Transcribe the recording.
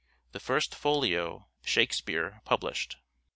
The First Folio " Shakespeare " published.